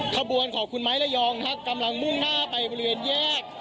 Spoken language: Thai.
ขบวนของคุณไม้ระยองกำลังมุ่งหน้าไปบริเวณแยก